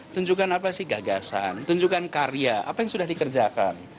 tunjukkan apa sih gagasan tunjukkan karya apa yang sudah dikerjakan